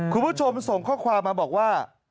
คุณผู้ชมส่งข้อความมาบอกว่า